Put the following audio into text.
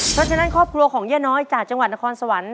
เพราะฉะนั้นครอบครัวของย่าน้อยจากจังหวัดนครสวรรค์